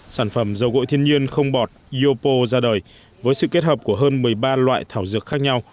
sản phẩm dầu gội thiên nhiên không bọt yopo ra đời với sự kết hợp của hơn một mươi ba loại thảo dược khác nhau